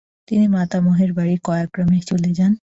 তিনি মাতামহের বাড়ি কয়াগ্রামে চলে যান।